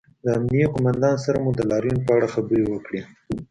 د امنیې قومندان سره مو د لاریون په اړه خبرې وکړې